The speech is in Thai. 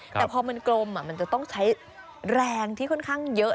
แต่พอมันกลมมันจะต้องใช้แรงที่ค่อนข้างเยอะ